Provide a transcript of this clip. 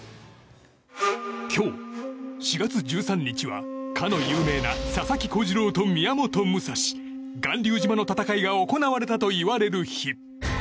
今日、４月１３日はかの有名な佐々木小次郎と宮本武蔵巌流島の戦いが行われたといわれる日。